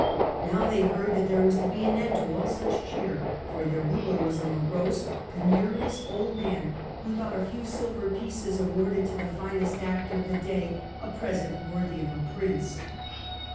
Now they heard that there was to be an end to all such cheer, for their ruler was a morose, penurious old man, who thought a few silver pieces awarded to the finest actor of the day a present worthy of a prince.